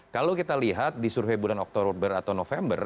kalau kita lihat di survei bulan oktober atau november